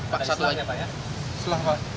pak satu lagi ya pak ya